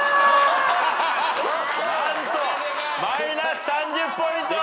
何とマイナス３０ポイント。